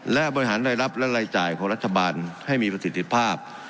และบริหารรายรับและรายจ่ายของรัฐบาลให้มีประสิทธิภาพ